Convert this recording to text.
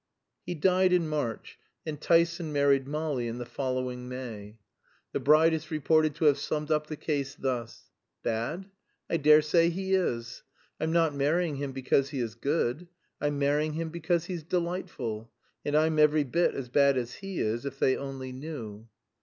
He died in March, and Tyson married Molly in the following May. The bride is reported to have summed up the case thus: "Bad? I daresay he is. I'm not marrying him because he is good; I'm marrying him because he's delightful. And I'm every bit as bad as he is, if they only knew."